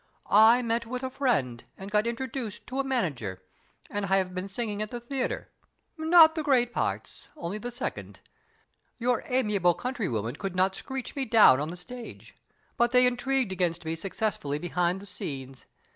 I met with a friend, and got introduced to a manager; and I have been singing at the theater not the great parts, only the second. Your amiable countrywomen could not screech me down on the stage, but they intrigued against me successfully behind the scenes.